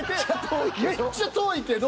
めっちゃ遠いけど。